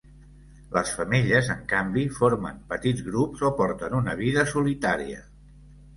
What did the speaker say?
Les femelles, en canvi, formen petits grups o porten una vida solitària.